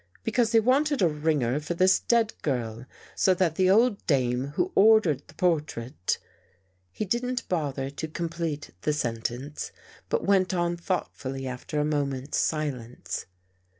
Because they wanted a ringer for this dead girl so that the old dame who ordered the portrait ..." He didn't bother to complete the sentence, but went on thoughtfully after a moment's silence.